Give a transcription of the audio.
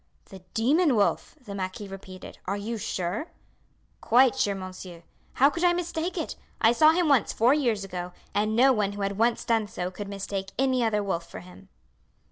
"The demon wolf!" the marquis repeated. "Are you sure?" "Quite sure, monsieur. How could I mistake it! I saw him once four years ago, and no one who had once done so could mistake any other wolf for him."